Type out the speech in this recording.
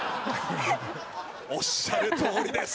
おっしゃるとおりです。